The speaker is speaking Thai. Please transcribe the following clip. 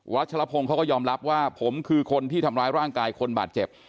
ชลพงศ์เขาก็ยอมรับว่าผมคือคนที่ทำร้ายร่างกายคนบาดเจ็บ